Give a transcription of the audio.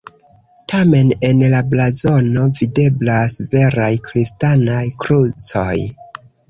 Tamen en la blazono videblas veraj kristanaj krucoj.